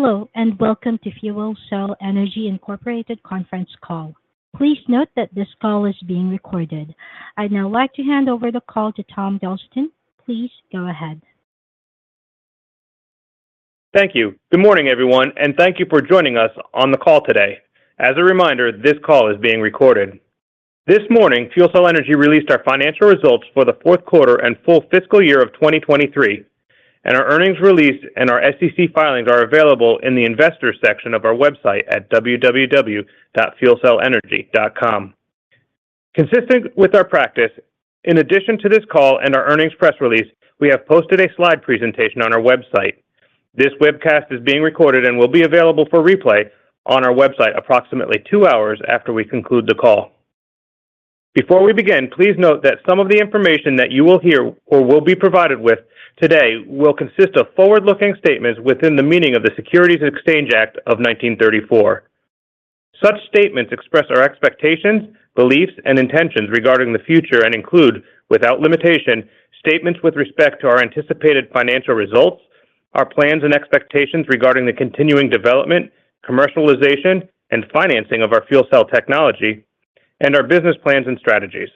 Hello, and welcome to FuelCell Energy, Inc. conference call. Please note that this call is being recorded. I'd now like to hand over the call to Tom Gelston. Please go ahead. Thank you. Good morning, everyone, and thank you for joining us on the call today. As a reminder, this call is being recorded. This morning, FuelCell Energy released our financial results for the Q4 and full fiscal year of 2023, and our earnings release and our SEC filings are available in the investors section of our website at www.fuelcellenergy.com. Consistent with our practice, in addition to this call and our earnings press release, we have posted a slide presentation on our website. This webcast is being recorded and will be available for replay on our website approximately 2 hours after we conclude the call. Before we begin, please note that some of the information that you will hear or will be provided with today will consist of forward-looking statements within the meaning of the Securities and Exchange Act of 1934. Such statements express our expectations, beliefs, and intentions regarding the future and include, without limitation, statements with respect to our anticipated financial results, our plans and expectations regarding the continuing development, commercialization, and financing of our fuel cell technology, and our business plans and strategies.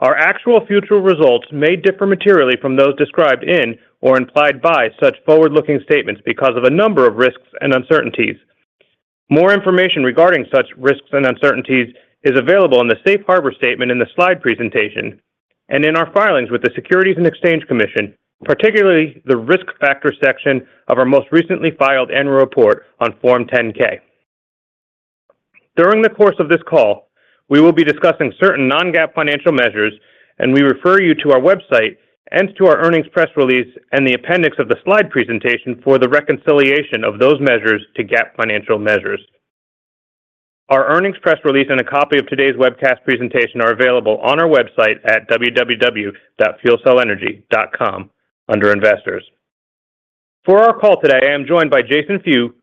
Our actual future results may differ materially from those described in or implied by such forward-looking statements because of a number of risks and uncertainties. More information regarding such risks and uncertainties is available in the Safe Harbor statement in the slide presentation and in our filings with the Securities and Exchange Commission, particularly the Risk Factor section of our most recently filed annual report on Form 10-K. During the course of this call, we will be discussing certain non-GAAP financial measures, and we refer you to our website and to our earnings press release and the appendix of the slide presentation for the reconciliation of those measures to GAAP financial measures. Our earnings press release and a copy of today's webcast presentation are available on our website at www.fuelcellenergy.com under Investors. For our call today, I am joined by Jason Few,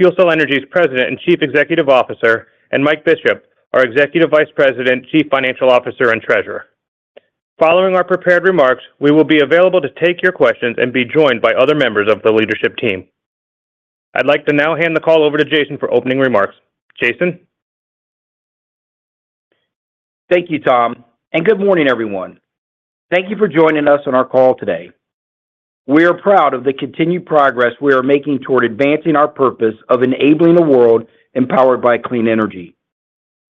FuelCell Energy's President and Chief Executive Officer, and Mike Bishop, our Executive Vice President, Chief Financial Officer, and Treasurer. Following our prepared remarks, we will be available to take your questions and be joined by other members of the leadership team. I'd like to now hand the call over to Jason for opening remarks. Jason? Thank you, Tom, and good morning, everyone. Thank you for joining us on our call today. We are proud of the continued progress we are making toward advancing our purpose of enabling a world empowered by clean energy.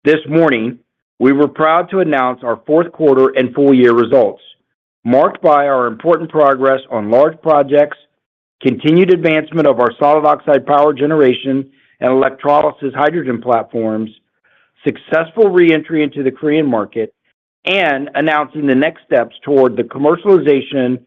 This morning, we were proud to announce our Q4 and full year results, marked by our important progress on large projects, continued advancement of our solid oxide power generation and electrolysis hydrogen platforms, successful reentry into the Korean market, and announcing the next steps toward the commercialization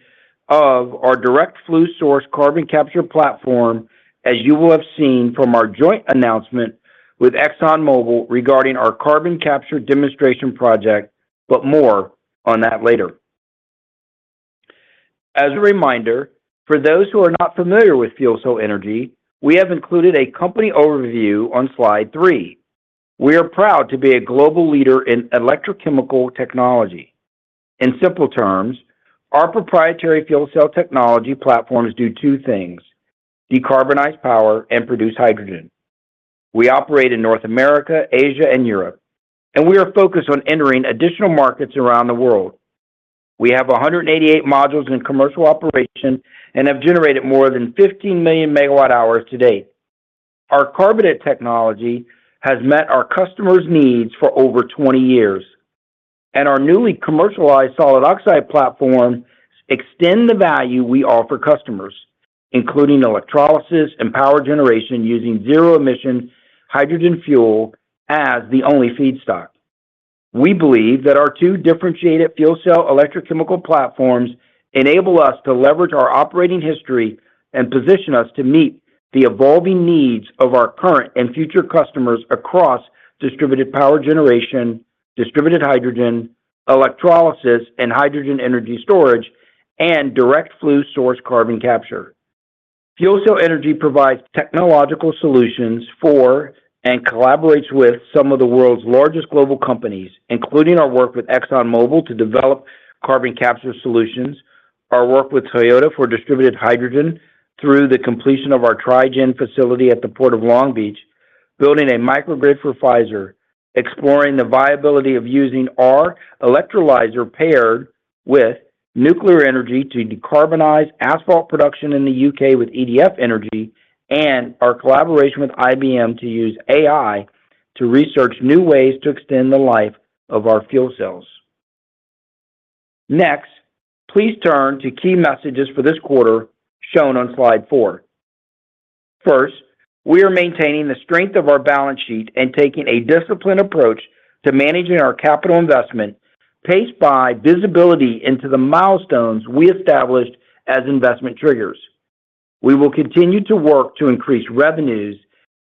of our direct flue source carbon capture platform, as you will have seen from our joint announcement with ExxonMobil regarding our carbon capture demonstration project, but more on that later. As a reminder, for those who are not familiar with FuelCell Energy, we have included a company overview on slide three. We are proud to be a global leader in electrochemical technology. In simple terms, our proprietary fuel cell technology platforms do two things: decarbonize power and produce hydrogen. We operate in North America, Asia, and Europe, and we are focused on entering additional markets around the world. We have 188 modules in commercial operation and have generated more than 15 million MWh to date. Our carbonate technology has met our customers' needs for over 20 years, and our newly commercialized solid oxide platform extend the value we offer customers, including electrolysis and power generation using zero-emission hydrogen fuel as the only feedstock. We believe that our two differentiated fuel cell electrochemical platforms enable us to leverage our operating history and position us to meet the evolving needs of our current and future customers across distributed power generation, distributed hydrogen, electrolysis, and hydrogen energy storage, and direct flue source carbon capture. FuelCell Energy provides technological solutions for, and collaborates with some of the world's largest global companies, including our work with ExxonMobil to develop carbon capture solutions, our work with Toyota for distributed hydrogen through the completion of our Tri-gen facility at the Port of Long Beach, building a microgrid for Pfizer, exploring the viability of using our electrolyzer paired with nuclear energy to decarbonize asphalt production in the U.K. with EDF Energy, and our collaboration with IBM to use AI to research new ways to extend the life of our fuel cells. Next, please turn to key messages for this quarter, shown on slide 4. First, we are maintaining the strength of our balance sheet and taking a disciplined approach to managing our capital investment, paced by visibility into the milestones we established as investment triggers. We will continue to work to increase revenues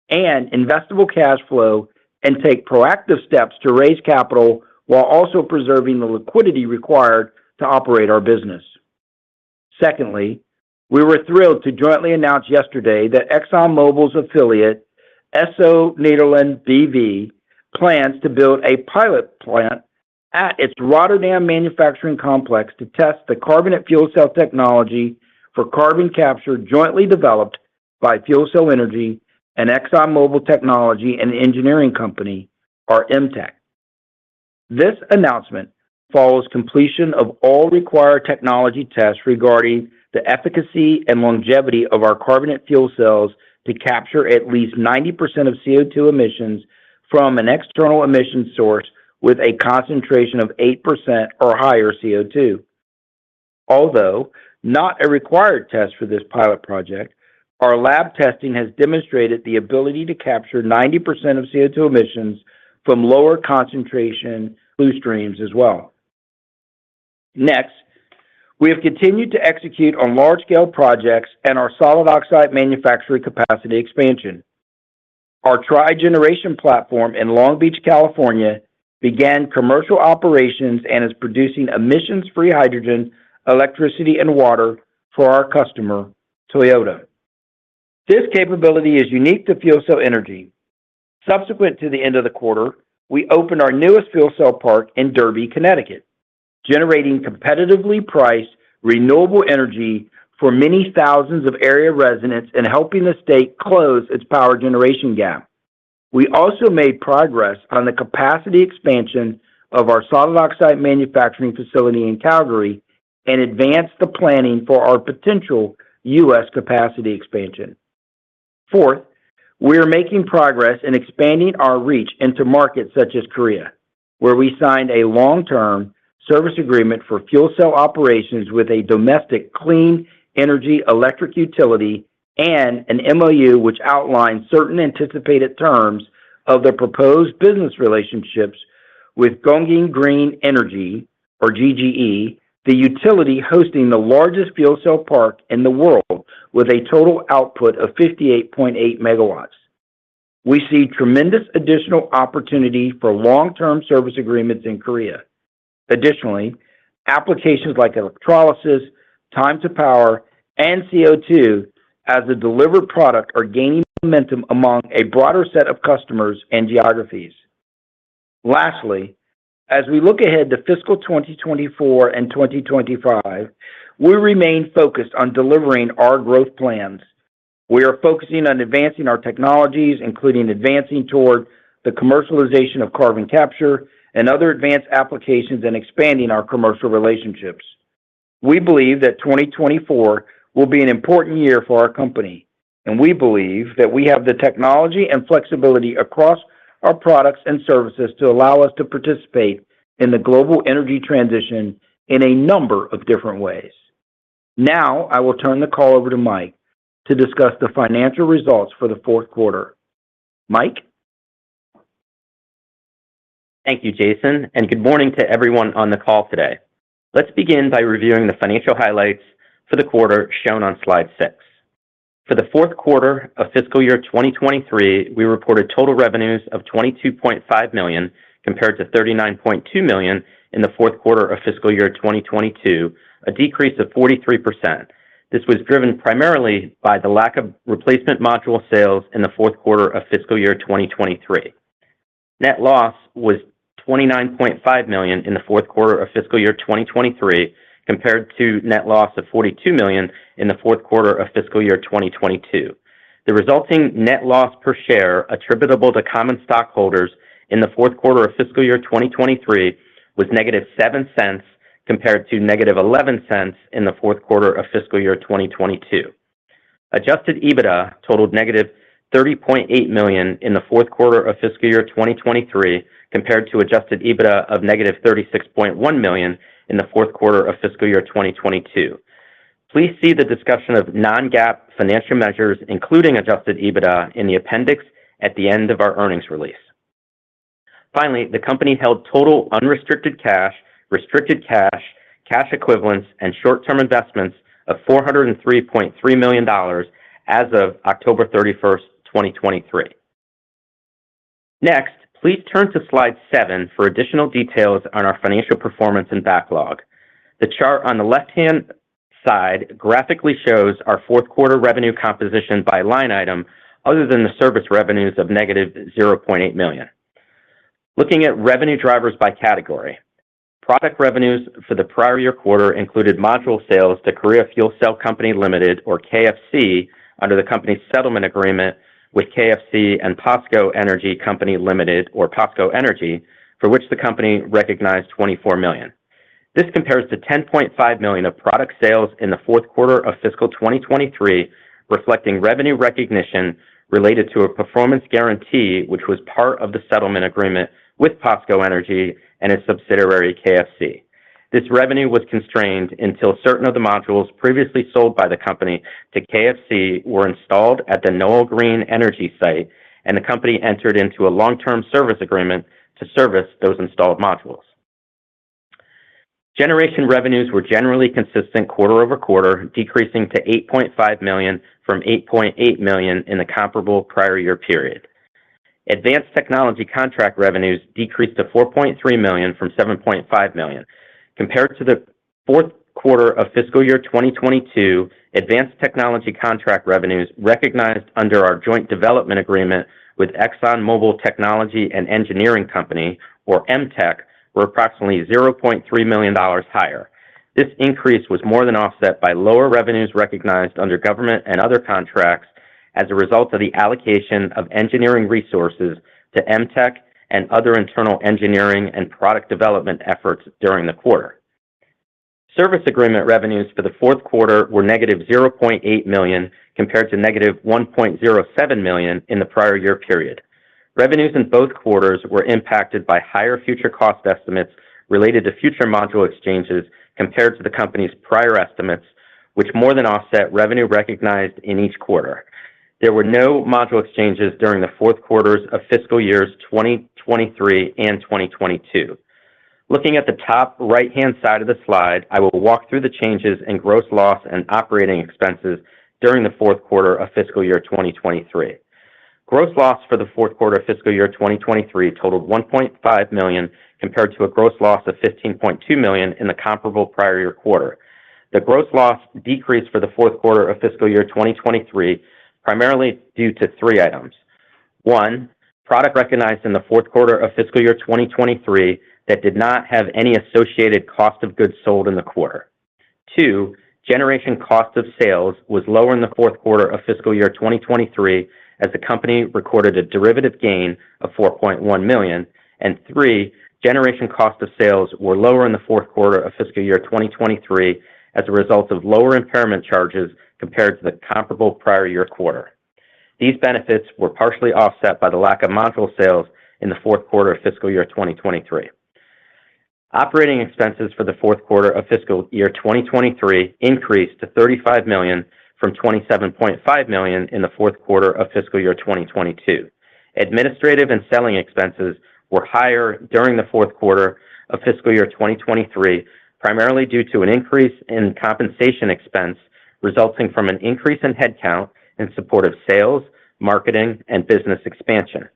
and investable cash flow and take proactive steps to raise capital while also preserving the liquidity required to operate our business. Secondly, we were thrilled to jointly announce yesterday that ExxonMobil's affiliate, Esso Nederland B.V., plans to build a pilot plant at its Rotterdam Manufacturing Complex to test the carbonate fuel cell technology for carbon capture, jointly developed by FuelCell Energy and ExxonMobil Technology and Engineering Company, or EMTEC. This announcement follows completion of all required technology tests regarding the efficacy and longevity of our carbonate fuel cells to capture at least 90% of CO2 emissions from an external emission source with a concentration of 8% or higher CO2. Although not a required test for this pilot project, our lab testing has demonstrated the ability to capture 90% of CO2 emissions from lower concentration flue streams as well. Next, we have continued to execute on large-scale projects and our solid oxide manufacturing capacity expansion. Our Tri-gen platform in Long Beach, California, began commercial operations and is producing emissions-free hydrogen, electricity, and water for our customer, Toyota. This capability is unique to FuelCell Energy. Subsequent to the end of the quarter, we opened our newest fuel cell park in Derby, Connecticut, generating competitively priced, renewable energy for many thousands of area residents and helping the state close its power generation gap. We also made progress on the capacity expansion of our solid oxide manufacturing facility in Calgary and advanced the planning for our potential U.S. capacity expansion. Fourth, we are making progress in expanding our reach into markets such as Korea, where we signed a long-term service agreement for fuel cell operations with a domestic clean energy electric utility and an MOU, which outlines certain anticipated terms of the proposed business relationships with Gyeonggi Green Energy, or GGE, the utility hosting the largest fuel cell park in the world, with a total output of 58.8 MW. We see tremendous additional opportunity for long-term service agreements in Korea. Additionally, applications like electrolysis, time to power, and CO2 as a delivered product are gaining momentum among a broader set of customers and geographies. Lastly, as we look ahead to fiscal 2024 and 2025, we remain focused on delivering our growth plans. We are focusing on advancing our technologies, including advancing toward the commercialization of carbon capture and other advanced applications, and expanding our commercial relationships. We believe that 2024 will be an important year for our company, and we believe that we have the technology and flexibility across our products and services to allow us to participate in the global energy transition in a number of different ways. Now, I will turn the call over to Mike to discuss the financial results for the Q4. Mike? Thank you, Jason, and good morning to everyone on the call today. Let's begin by reviewing the financial highlights for the quarter shown on slide six. For the Q4 of fiscal year 2023, we reported total revenues of $22.5 million, compared to $39.2 million in the Q4 of fiscal year 2022, a decrease of 43%. This was driven primarily by the lack of replacement module sales in the Q4 of fiscal year 2023. Net loss was $29.5 million in the Q4 of fiscal year 2023, compared to net loss of $42 million in the Q4 of fiscal year 2022. The resulting net loss per share attributable to common stockholders in the Q4 of fiscal year 2023 was -$0.07, compared to -$0.11 in the Q4 of fiscal year 2022. Adjusted EBITDA totaled -$30.8 million in the Q4 of fiscal year 2023, compared to adjusted EBITDA of -$36.1 million in the Q4 of fiscal year 2022. Please see the discussion of non-GAAP financial measures, including adjusted EBITDA, in the appendix at the end of our earnings release. Finally, the company held total unrestricted cash, restricted cash, cash equivalents, and short-term investments of $403.3 million as of October 31, 2023. Next, please turn to slide seven for additional details on our financial performance and backlog. The chart on the left-hand side graphically shows our Q4 revenue composition by line item, other than the service revenues of -$0.8 million. Looking at revenue drivers by category. Product revenues for the prior year quarter included module sales to Korea Fuel Cell Co., Ltd., or KFC, under the company's settlement agreement with KFC and POSCO Energy Co., Ltd., or POSCO Energy, for which the company recognized $24 million. This compares to $10.5 million of product sales in the Q4 of fiscal 2023, reflecting revenue recognition related to a performance guarantee, which was part of the settlement agreement with POSCO Energy and its subsidiary, KFC. This revenue was constrained until certain of the modules previously sold by the company to KFC were installed at the Noeul Green Energy site, and the company entered into a long-term service agreement to service those installed modules. Generation revenues were generally consistent quarter-over-quarter, decreasing to $8.5 million from $8.8 million in the comparable prior year period. Advanced technology contract revenues decreased to $4.3 million from $7.5 million, compared to the Q4 of fiscal year 2022, advanced technology contract revenues recognized under our joint development agreement with ExxonMobil Technology and Engineering Company, or EMTEC, were approximately $0.3 million higher. This increase was more than offset by lower revenues recognized under government and other contracts as a result of the allocation of engineering resources to EMTEC and other internal engineering and product development efforts during the quarter. Service agreement revenues for the Q4 were -$0.8 million, compared to -$1.07 million in the prior year period. Revenues in both quarters were impacted by higher future cost estimates related to future module exchanges compared to the company's prior estimates, which more than offset revenue recognized in each quarter. There were no module exchanges during the Q4s of fiscal years 2023 and 2022. Looking at the top right-hand side of the slide, I will walk through the changes in gross loss and operating expenses during the Q4 of fiscal year 2023. Gross loss for the Q4 of fiscal year 2023 totaled $1.5 million, compared to a gross loss of $15.2 million in the comparable prior year quarter. The gross loss decreased for the Q4 of fiscal year 2023, primarily due to three items. One, product recognized in the Q4 of fiscal year 2023 that did not have any associated cost of goods sold in the quarter. Two, generation cost of sales was lower in the Q4 of fiscal year 2023, as the company recorded a derivative gain of $4.1 million. And three, generation cost of sales were lower in the Q4 of fiscal year 2023 as a result of lower impairment charges compared to the comparable prior year quarter. These benefits were partially offset by the lack of module sales in the Q4 of fiscal year 2023. Operating expenses for the Q4 of fiscal year 2023 increased to $35 million from $27.5 million in the Q4 of fiscal year 2022. Administrative and selling expenses were higher during the Q4 of fiscal year 2023, primarily due to an increase in compensation expense resulting from an increase in headcount in support of sales, marketing, and business expansion.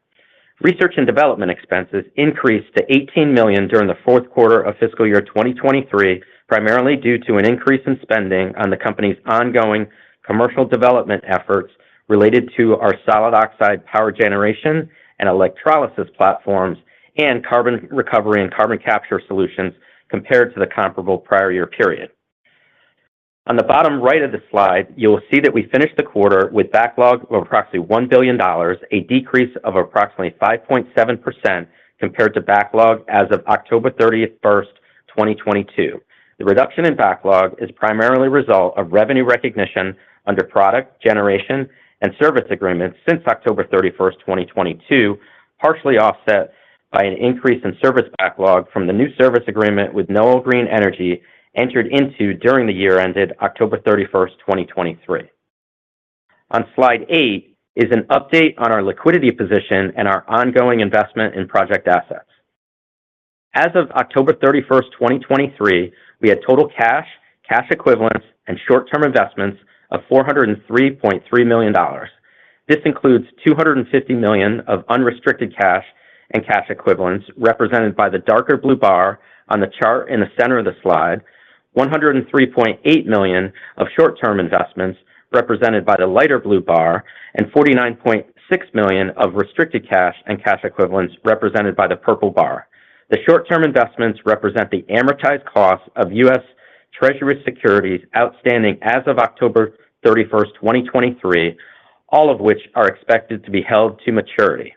Research and development expenses increased to $18 million during the Q4 of fiscal year 2023, primarily due to an increase in spending on the company's ongoing commercial development efforts related to our solid oxide power generation and electrolysis platforms, and carbon recovery and carbon capture solutions compared to the comparable prior year period. On the bottom right of the slide, you will see that we finished the quarter with backlog of approximately $1 billion, a decrease of approximately 5.7% compared to backlog as of October 31, 2022. The reduction in backlog is primarily a result of revenue recognition under product, generation, and service agreements since October 31, 2022, partially offset by an increase in service backlog from the new service agreement with Noeul Green Energy, entered into during the year ended October 31, 2023. On slide eight is an update on our liquidity position and our ongoing investment in project assets. As of October 31, 2023, we had total cash, cash equivalents, and short-term investments of $403.3 million. This includes $250 million of unrestricted cash and cash equivalents, represented by the darker blue bar on the chart in the center of the slide, $103.8 million of short-term investments, represented by the lighter blue bar, and $49.6 million of restricted cash and cash equivalents, represented by the purple bar. The short-term investments represent the amortized cost of U.S. Treasury securities outstanding as of October 31st, 2023, all of which are expected to be held to maturity.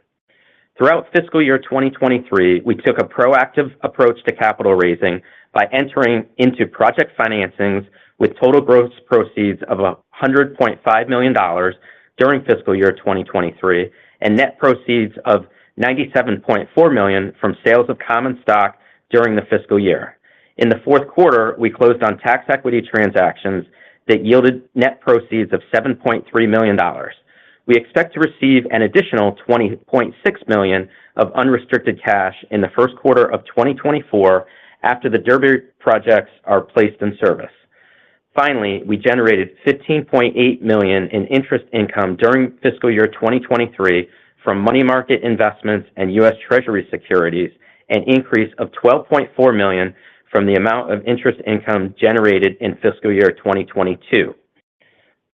Throughout fiscal year 2023, we took a proactive approach to capital raising by entering into project financings with total gross proceeds of $100.5 million during fiscal year 2023, and net proceeds of $97.4 million from sales of common stock during the fiscal year. In the Q4, we closed on tax equity transactions that yielded net proceeds of $7.3 million. We expect to receive an additional $20.6 million of unrestricted cash in the Q1 of 2024 after the Derby projects are placed in service. Finally, we generated $15.8 million in interest income during fiscal year 2023 from money market investments and U.S. Treasury securities, an increase of $12.4 million from the amount of interest income generated in fiscal year 2022.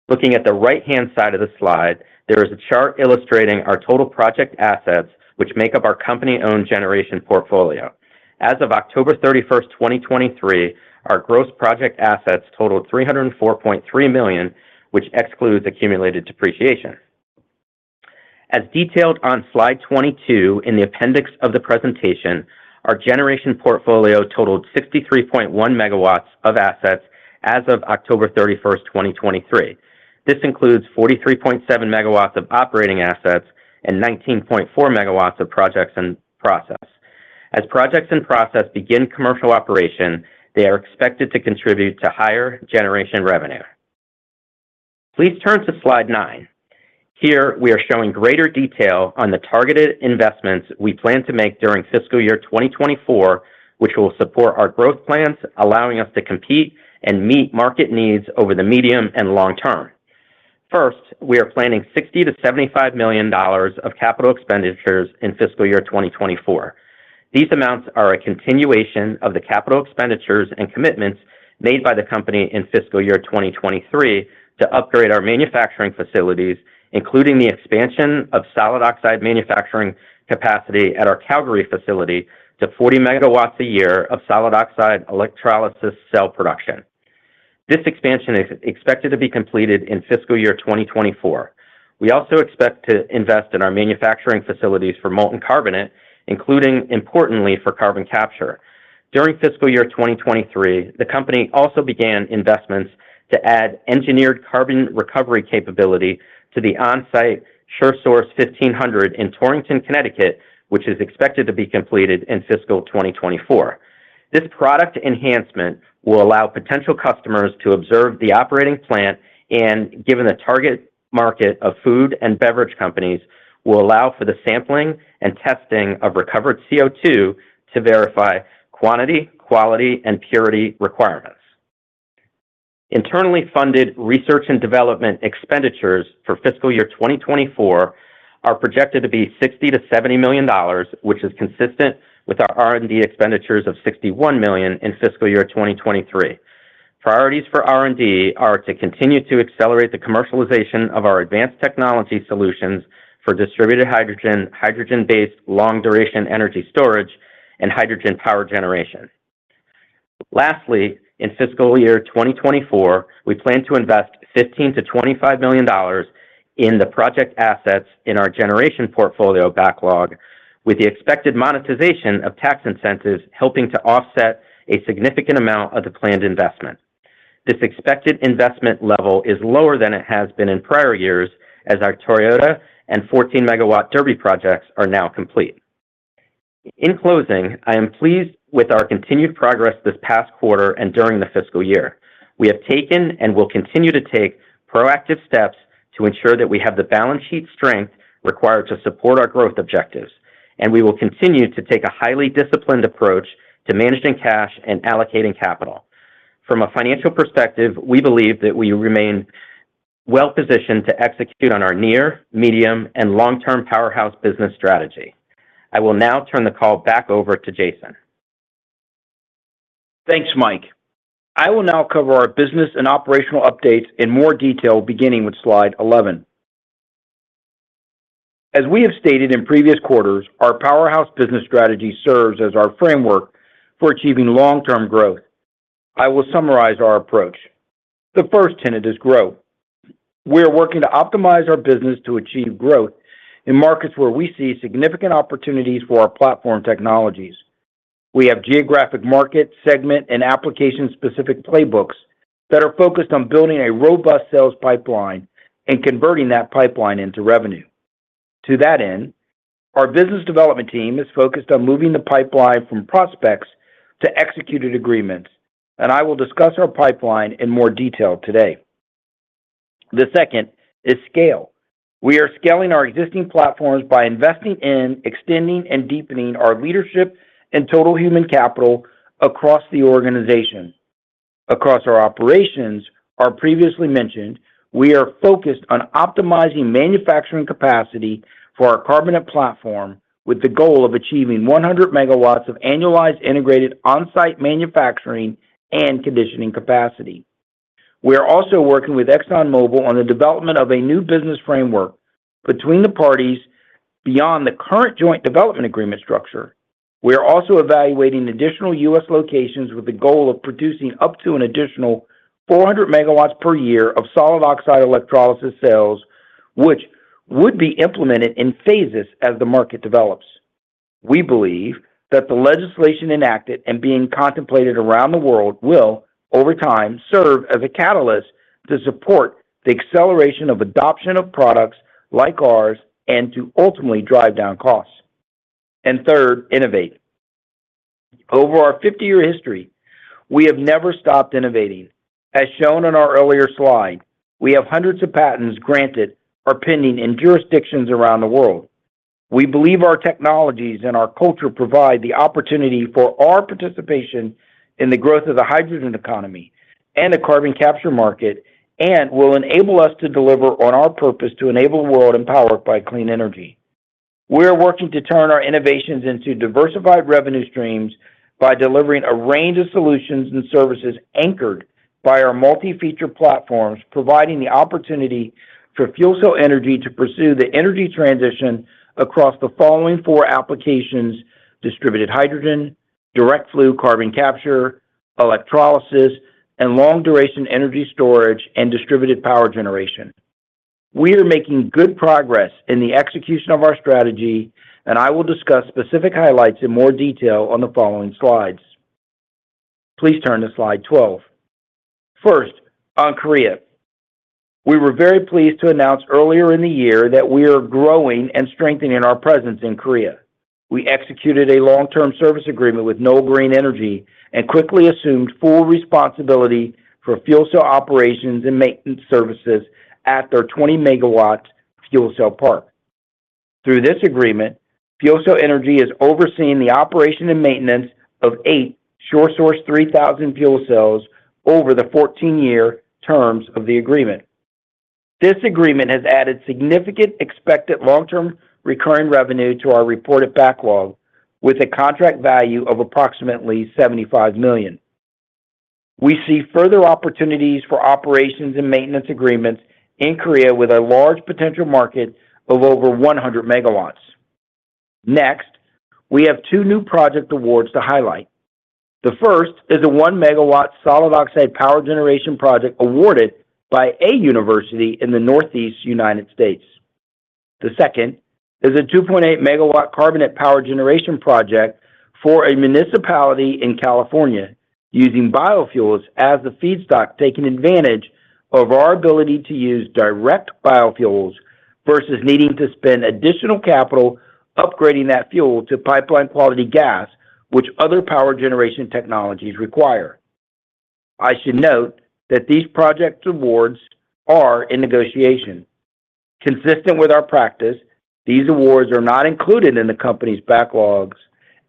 Looking at the right-hand side of the slide, there is a chart illustrating our total project assets, which make up our company-owned generation portfolio. As of October 31st, 2023, our gross project assets totaled $304.3 million, which excludes accumulated depreciation. As detailed on slide 22 in the appendix of the presentation, our generation portfolio totaled 63.1 MW of assets as of October 31, 2023. This includes 43.7 MW of operating assets and 19.4 MW of projects in process. As projects in process begin commercial operation, they are expected to contribute to higher generation revenue. Please turn to slide 9. Here, we are showing greater detail on the targeted investments we plan to make during fiscal year 2024, which will support our growth plans, allowing us to compete and meet market needs over the medium and long term. First, we are planning $60 million to $75 million of capital expenditures in fiscal year 2024. These amounts are a continuation of the capital expenditures and commitments made by the company in fiscal year 2023 to upgrade our manufacturing facilities, including the expansion of solid oxide manufacturing capacity at our Calgary facility to 40 MW a year of solid oxide electrolysis cell production. This expansion is expected to be completed in fiscal year 2024. We also expect to invest in our manufacturing facilities for molten carbonate, including importantly, for carbon capture. During fiscal year 2023, the company also began investments to add engineered carbon recovery capability to the on-site SureSource 1500 in Torrington, Connecticut, which is expected to be completed in fiscal 2024. This product enhancement will allow potential customers to observe the operating plant and, given the target market of food and beverage companies, will allow for the sampling and testing of recovered CO2 to verify quantity, quality, and purity requirements. Internally funded research and development expenditures for fiscal year 2024 are projected to be $60 million to 70 million, which is consistent with our R&D expenditures of $61 million in fiscal year 2023. Priorities for R&D are to continue to accelerate the commercialization of our advanced technology solutions for distributed hydrogen, hydrogen-based long-duration energy storage, and hydrogen power generation. Lastly, in fiscal year 2024, we plan to invest $15 million to $25 million in the project assets in our generation portfolio backlog, with the expected monetization of tax incentives helping to offset a significant amount of the planned investment. This expected investment level is lower than it has been in prior years, as our Toyota and 14-megawatt Derby projects are now complete. In closing, I am pleased with our continued progress this past quarter and during the fiscal year. We have taken, and will continue to take, proactive steps to ensure that we have the balance sheet strength required to support our growth objectives, and we will continue to take a highly disciplined approach to managing cash and allocating capital. From a financial perspective, we believe that we remain well-positioned to execute on our near, medium, and long-term powerhouse business strategy. I will now turn the call back over to Jason. Thanks, Mike. I will now cover our business and operational updates in more detail, beginning with slide 11. As we have stated in previous quarters, our powerhouse business strategy serves as our framework for achieving long-term growth. I will summarize our approach. The first tenet is growth. We are working to optimize our business to achieve growth in markets where we see significant opportunities for our platform technologies. We have geographic market, segment, and application-specific playbooks that are focused on building a robust sales pipeline and converting that pipeline into revenue. To that end, our business development team is focused on moving the pipeline from prospects to executed agreements, and I will discuss our pipeline in more detail today. The second is scale. We are scaling our existing platforms by investing in, extending, and deepening our leadership and total human capital across the organization. Across our operations, our previously mentioned, we are focused on optimizing manufacturing capacity for our carbonate platform, with the goal of achieving 100 MW of annualized, integrated, on-site manufacturing and conditioning capacity. We are also working with ExxonMobil on the development of a new business framework between the parties beyond the current joint development agreement structure. We are also evaluating additional U.S. locations with the goal of producing up to an additional 400 MW per year of solid oxide electrolysis sales, which would be implemented in phases as the market develops. We believe that the legislation enacted and being contemplated around the world will, over time, serve as a catalyst to support the acceleration of adoption of products like ours and to ultimately drive down costs. And third, innovate. Over our 50-year history, we have never stopped innovating. As shown on our earlier slide, we have hundreds of patents granted or pending in jurisdictions around the world. We believe our technologies and our culture provide the opportunity for our participation in the growth of the hydrogen economy and the carbon capture market and will enable us to deliver on our purpose to enable a world empowered by clean energy. We are working to turn our innovations into diversified revenue streams by delivering a range of solutions and services anchored by our multi-feature platforms, providing the opportunity for FuelCell Energy to pursue the energy transition across the following four applications: distributed hydrogen, direct flue carbon capture, electrolysis, and long-duration energy storage and distributed power generation. We are making good progress in the execution of our strategy, and I will discuss specific highlights in more detail on the following slides. Please turn to slide 12. First, on Korea. We were very pleased to announce earlier in the year that we are growing and strengthening our presence in Korea. We executed a long-term service agreement with Noeul Green Energy and quickly assumed full responsibility for fuel cell operations and maintenance services at their 20-megawatt fuel cell park. Through this agreement, FuelCell Energy is overseeing the operation and maintenance of eight SureSource 3000 fuel cells over the 14-year terms of the agreement. This agreement has added significant expected long-term recurring revenue to our reported backlog, with a contract value of approximately $75 million. We see further opportunities for operations and maintenance agreements in Korea with a large potential market of over 100 MW. Next, we have two new project awards to highlight. The first is a 1-MW solid oxide power generation project awarded by a university in the Northeast United States. The second is a 2.8 MW carbonate power generation project for a municipality in California, using biofuels as the feedstock, taking advantage of our ability to use direct biofuels versus needing to spend additional capital upgrading that fuel to pipeline-quality gas, which other power generation technologies require. I should note that these project awards are in negotiation. Consistent with our practice, these awards are not included in the company's backlogs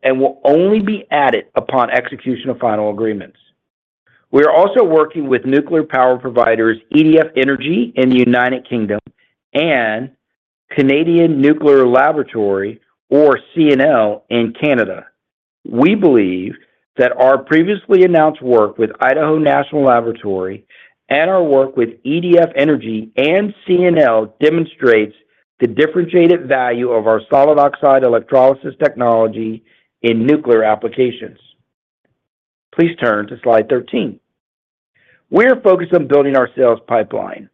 and will only be added upon execution of final agreements. We are also working with nuclear power providers, EDF Energy in the United Kingdom and Canadian Nuclear Laboratories, or CNL, in Canada. We believe that our previously announced work with Idaho National Laboratory and our work with EDF Energy and CNL demonstrates the differentiated value of our solid oxide electrolysis technology in nuclear applications. Please turn to slide 13. We are focused on building our sales pipeline.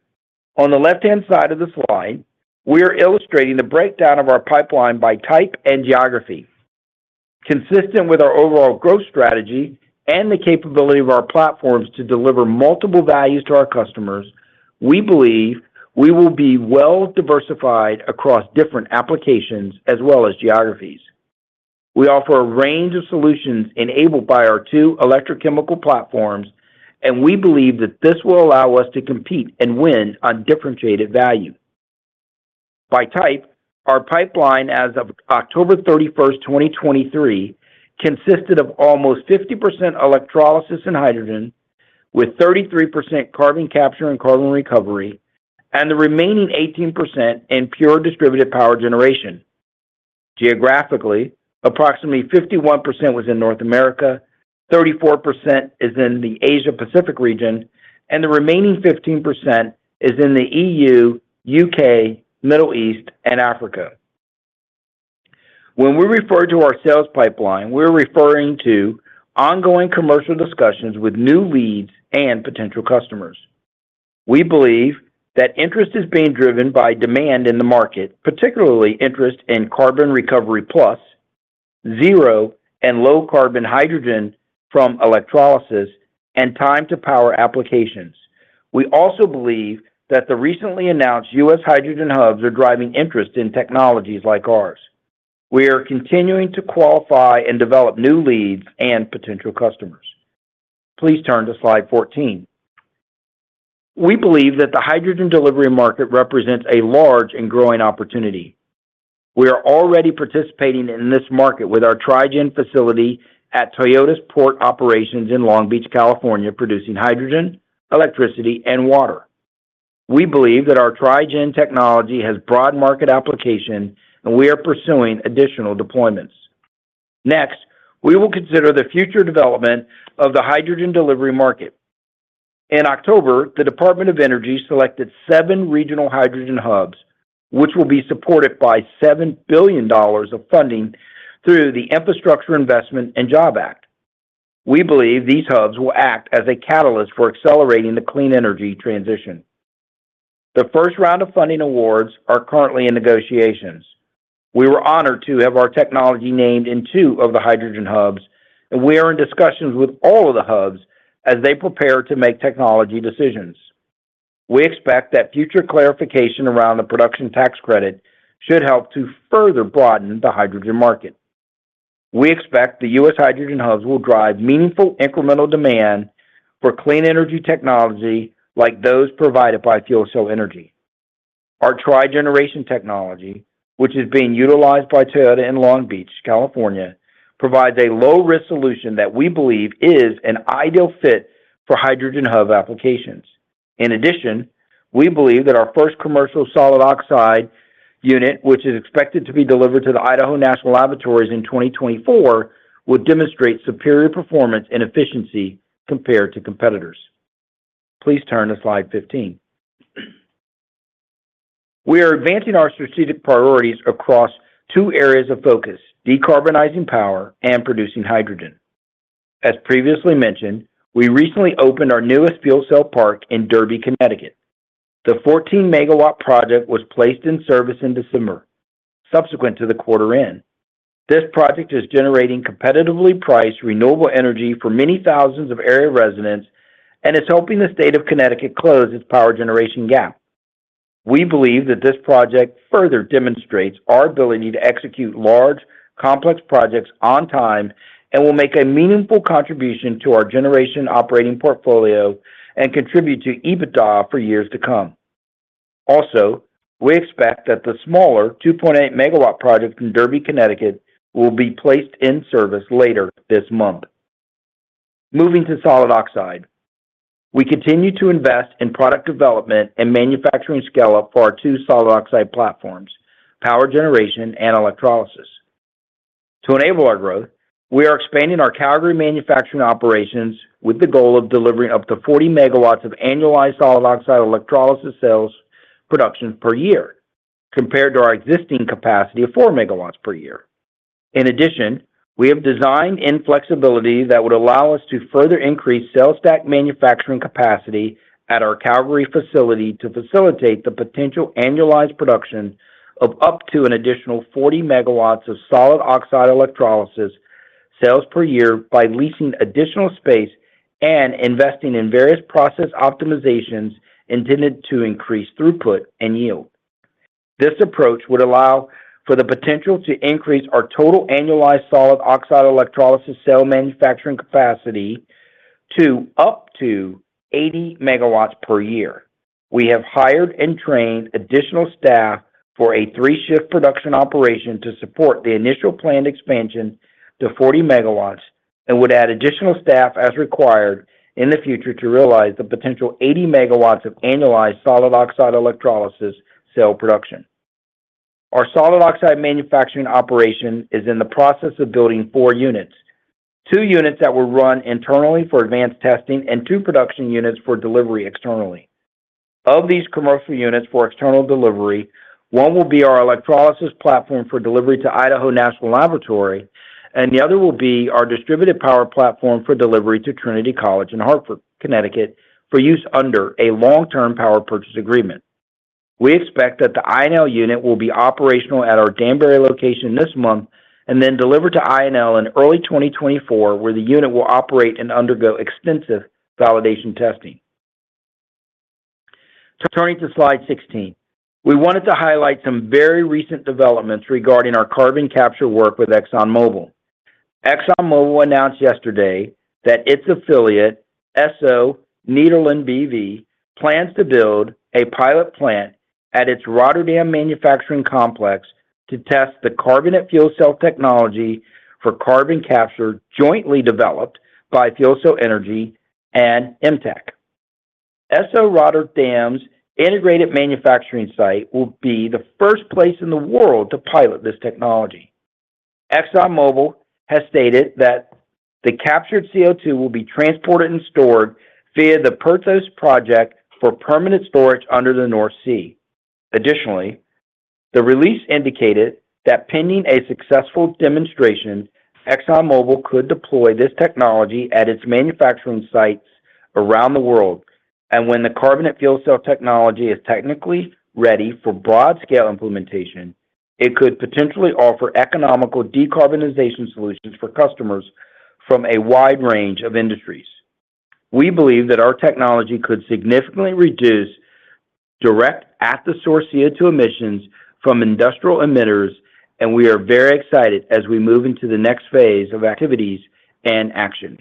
On the left-hand side of the slide, we are illustrating the breakdown of our pipeline by type and geography. Consistent with our overall growth strategy and the capability of our platforms to deliver multiple values to our customers, we believe we will be well diversified across different applications as well as geographies. We offer a range of solutions enabled by our two electrochemical platforms, and we believe that this will allow us to compete and win on differentiated value. By type, our pipeline as of October 31st, 2023, consisted of almost 50% electrolysis and hydrogen, with 33% carbon capture and carbon recovery, and the remaining 18% in pure distributed power generation. Geographically, approximately 51% was in North America, 34% is in the Asia-Pacific region, and the remaining 15% is in the EU, U.K., Middle East, and Africa. When we refer to our sales pipeline, we're referring to ongoing commercial discussions with new leads and potential customers. We believe that interest is being driven by demand in the market, particularly interest in carbon recovery plus, zero, and low-carbon hydrogen from electrolysis and time-to-power applications. We also believe that the recently announced U.S. hydrogen hubs are driving interest in technologies like ours. We are continuing to qualify and develop new leads and potential customers. Please turn to slide 14. We believe that the hydrogen delivery market represents a large and growing opportunity. We are already participating in this market with our Tri-gen facility at Toyota's port operations in Long Beach, California, producing hydrogen, electricity, and water. We believe that our Tri-gen technology has broad market application, and we are pursuing additional deployments. Next, we will consider the future development of the hydrogen delivery market. In October, the Department of Energy selected seven regional hydrogen hubs, which will be supported by $7 billion of funding through the Infrastructure Investment and Jobs Act. We believe these hubs will act as a catalyst for accelerating the clean energy transition. The first round of funding awards are currently in negotiations. We were honored to have our technology named in two of the hydrogen hubs, and we are in discussions with all of the hubs as they prepare to make technology decisions. We expect that future clarification around the Production Tax Credit should help to further broaden the hydrogen market. We expect the U.S. hydrogen hubs will drive meaningful incremental demand for clean energy technology like those provided by FuelCell Energy. Our trigeneration technology, which is being utilized by Toyota in Long Beach, California, provides a low-risk solution that we believe is an ideal fit for hydrogen hub applications. In addition, we believe that our first commercial solid oxide unit, which is expected to be delivered to the Idaho National Laboratory in 2024, will demonstrate superior performance and efficiency compared to competitors. Please turn to slide 15. We are advancing our strategic priorities across two areas of focus: decarbonizing power and producing hydrogen. As previously mentioned, we recently opened our newest fuel cell park in Derby, Connecticut. The 14-megawatt project was placed in service in December, subsequent to the quarter end. This project is generating competitively priced, renewable energy for many thousands of area residents and is helping the state of Connecticut close its power generation gap. We believe that this project further demonstrates our ability to execute large-... complex projects on time and will make a meaningful contribution to our generation operating portfolio and contribute to EBITDA for years to come. Also, we expect that the smaller 2.8 MW project in Derby, Connecticut, will be placed in service later this month. Moving to solid oxide. We continue to invest in product development and manufacturing scale-up for our two solid oxide platforms, power generation and electrolysis. To enable our growth, we are expanding our Calgary manufacturing operations with the goal of delivering up to 40 MW of annualized solid oxide electrolysis cells production per year, compared to our existing capacity of 4 MW per year. In addition, we have designed in flexibility that would allow us to further increase cell stack manufacturing capacity at our Calgary facility to facilitate the potential annualized production of up to an additional 40 MW of solid oxide electrolysis cells per year by leasing additional space and investing in various process optimizations intended to increase throughput and yield. This approach would allow for the potential to increase our total annualized solid oxide electrolysis cell manufacturing capacity to up to 80 MW per year. We have hired and trained additional staff for a three-shift production operation to support the initial planned expansion to 40 MW and would add additional staff as required in the future to realize the potential 80 MW of annualized solid oxide electrolysis cell production. Our Solid Oxide manufacturing operation is in the process of building four units, two units that will run internally for advanced testing and two production units for delivery externally. Of these commercial units for external delivery, one will be our Electrolysis platform for delivery to Idaho National Laboratory, and the other will be our distributed power platform for delivery to Trinity College in Hartford, Connecticut, for use under a long-term power purchase agreement. We expect that the INL unit will be operational at our Danbury location this month and then delivered to INL in early 2024, where the unit will operate and undergo extensive validation testing. Turning to Slide 16, we wanted to highlight some very recent developments regarding our Carbon Capture work with ExxonMobil. ExxonMobil announced yesterday that its affiliate, Esso Nederland B.V., plans to build a pilot plant at its Rotterdam Manufacturing Complex to test the carbonate fuel cell technology for carbon capture, jointly developed by FuelCell Energy and EMTEC. Esso Rotterdam's integrated manufacturing site will be the first place in the world to pilot this technology. ExxonMobil has stated that the captured CO2 will be transported and stored via the Porthos project for permanent storage under the North Sea. Additionally, the release indicated that pending a successful demonstration, ExxonMobil could deploy this technology at its manufacturing sites around the world, and when the carbonate fuel cell technology is technically ready for broad-scale implementation, it could potentially offer economical decarbonization solutions for customers from a wide range of industries. We believe that our technology could significantly reduce direct at-the-source CO2 emissions from industrial emitters, and we are very excited as we move into the next phase of activities and action.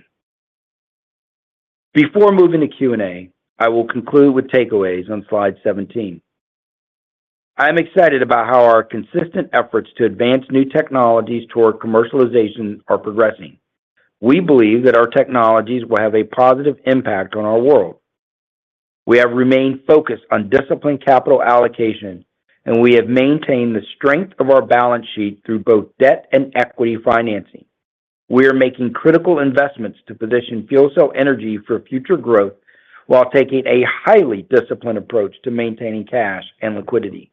Before moving to Q&A, I will conclude with takeaways on Slide 17. I am excited about how our consistent efforts to advance new technologies toward commercialization are progressing. We believe that our technologies will have a positive impact on our world. We have remained focused on disciplined capital allocation, and we have maintained the strength of our balance sheet through both debt and equity financing. We are making critical investments to position FuelCell Energy for future growth while taking a highly disciplined approach to maintaining cash and liquidity.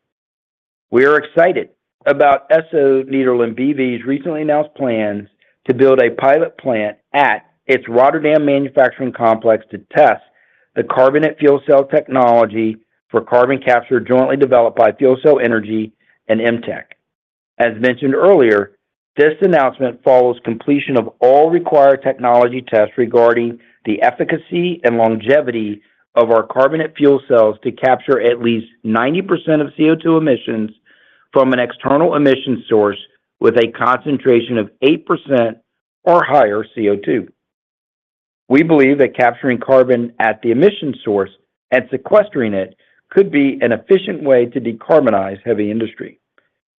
We are excited about Esso Nederland B.V.'s recently announced plans to build a pilot plant at its Rotterdam Manufacturing Complex to test the carbonate fuel cell technology for carbon capture, jointly developed by FuelCell Energy and EMTEC. As mentioned earlier, this announcement follows completion of all required technology tests regarding the efficacy and longevity of our carbonate fuel cells to capture at least 90% of CO2 emissions from an external emission source with a concentration of 8% or higher CO2. We believe that capturing carbon at the emission source and sequestering it could be an efficient way to decarbonize heavy industry.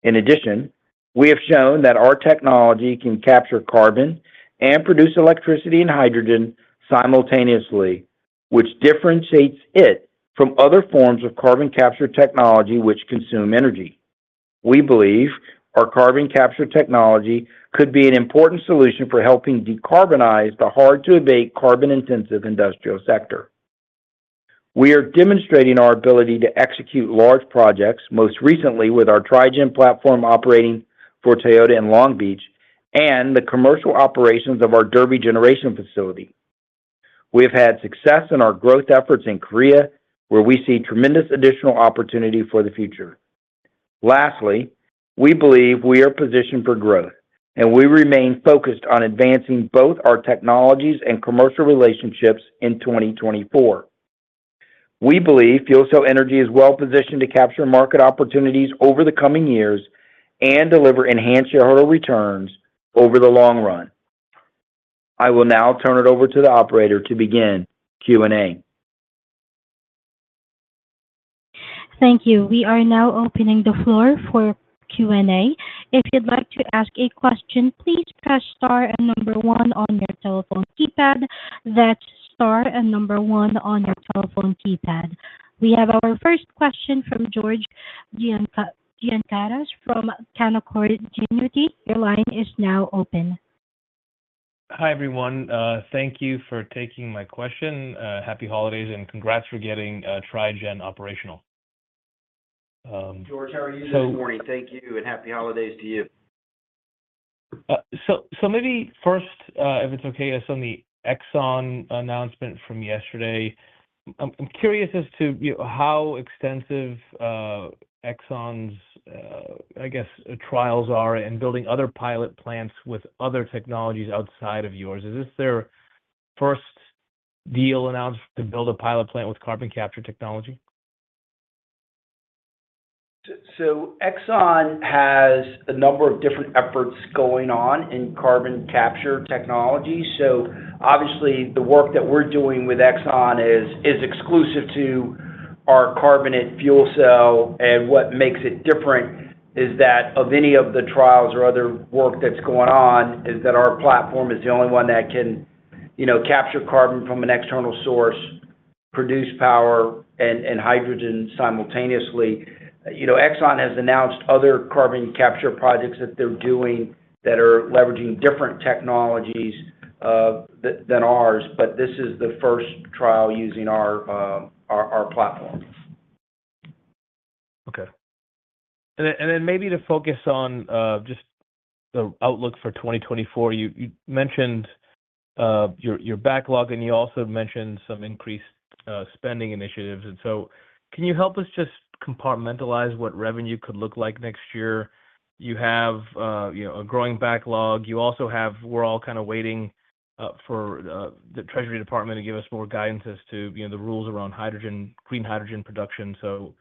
In addition, we have shown that our technology can capture carbon and produce electricity and hydrogen simultaneously, which differentiates it from other forms of carbon capture technology which consume energy. We believe our carbon capture technology could be an important solution for helping decarbonize the hard-to-abate, carbon-intensive industrial sector. We are demonstrating our ability to execute large projects, most recently with our Tri-gen platform operating for Toyota in Long Beach and the commercial operations of our Derby generation facility. We have had success in our growth efforts in Korea, where we see tremendous additional opportunity for the future. Lastly, we believe we are positioned for growth, and we remain focused on advancing both our technologies and commercial relationships in 2024. We believe FuelCell Energy is well-positioned to capture market opportunities over the coming years and deliver enhanced shareholder returns over the long run. I will now turn it over to the operator to begin Q&A. Thank you. We are now opening the floor for Q&A. If you'd like to ask a question, please press star and number one on your telephone keypad. That's star and number one on your telephone keypad. We have our first question from George Gianarikas from Canaccord Genuity. Your line is now open. Hi, everyone. Thank you for taking my question. Happy holidays, and congrats for getting Tri-gen operational. So, George, how are you this morning? Thank you, and happy holidays to you. So maybe first, if it's okay, on the Exxon announcement from yesterday, I'm curious as to, you know, how extensive Exxon's, I guess, trials are in building other pilot plants with other technologies outside of yours. Is this their first deal announced to build a pilot plant with carbon capture technology? So, Exxon has a number of different efforts going on in carbon capture technology. So obviously, the work that we're doing with Exxon is exclusive to our carbonate fuel cell, and what makes it different is that of any of the trials or other work that's going on, is that our platform is the only one that can, you know, capture carbon from an external source, produce power and hydrogen simultaneously. You know, Exxon has announced other carbon capture projects that they're doing that are leveraging different technologies than ours, but this is the first trial using our platform. Okay. And then maybe to focus on just the outlook for 2024. You mentioned your backlog, and you also mentioned some increased spending initiatives. And so can you help us just compartmentalize what revenue could look like next year? You have, you know, a growing backlog. You also have—we're all kind of waiting for the Treasury Department to give us more guidance as to, you know, the rules around hydrogen, clean hydrogen production. So,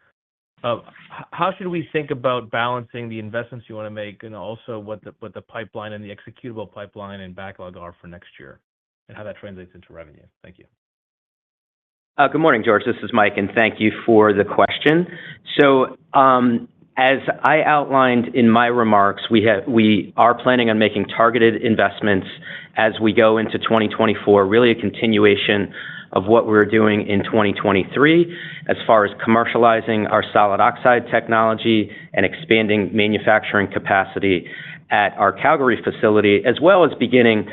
how should we think about balancing the investments you want to make and also what the pipeline and the executable pipeline and backlog are for next year, and how that translates into revenue? Thank you. Good morning, George. This is Mike, and thank you for the question. So, as I outlined in my remarks, we have, we are planning on making targeted investments as we go into 2024, really a continuation of what we were doing in 2023 as far as commercializing our solid oxide technology and expanding manufacturing capacity at our Calgary facility, as well as beginning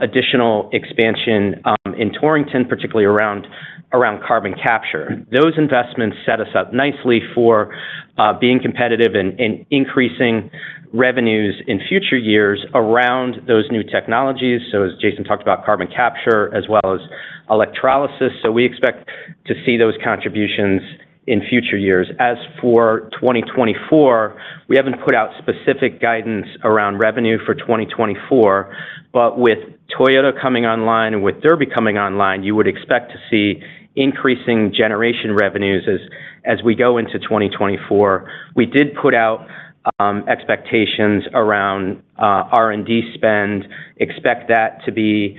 additional expansion in Torrington, particularly around carbon capture. Those investments set us up nicely for being competitive and increasing revenues in future years around those new technologies, so as Jason talked about, carbon capture as well as electrolysis. So we expect to see those contributions in future years. As for 2024, we haven't put out specific guidance around revenue for 2024, but with Toyota coming online and with Derby coming online, you would expect to see increasing generation revenues as we go into 2024. We did put out expectations around R&D spend. Expect that to be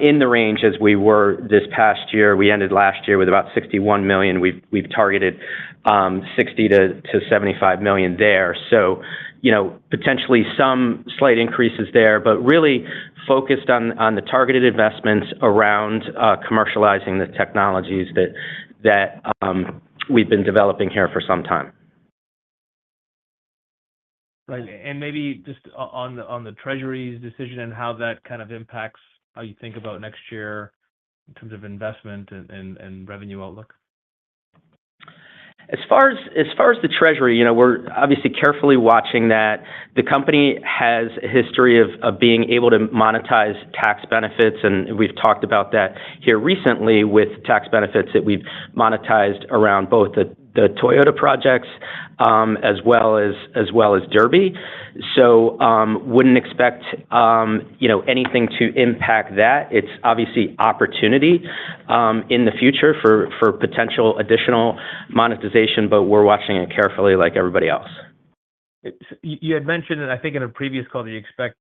in the range as we were this past year. We ended last year with about $61 million. We've targeted $60 million to $75 million there. So, you know, potentially some slight increases there, but really focused on the targeted investments around commercializing the technologies that we've been developing here for some time. Maybe just on the Treasury's decision and how that kind of impacts how you think about next year in terms of investment and revenue outlook. As far as the Treasury, you know, we're obviously carefully watching that. The company has a history of being able to monetize tax benefits, and we've talked about that here recently with tax benefits that we've monetized around both the Toyota projects, as well as Derby. So, wouldn't expect, you know, anything to impact that. It's obviously opportunity in the future for potential additional monetization, but we're watching it carefully like everybody else. You, you had mentioned, and I think in a previous call, that you expect